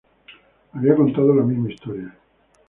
había contado la misma historia